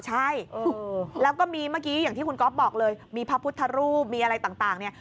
ใช่แล้วก็มีเมื่อกี้อย่างที่คุณก๊อฟบอกเลยมีพระพุทธรูปมีอะไรต่างเนี่ย